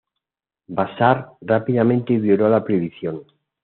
Bashar rápidamente violó la prohibición.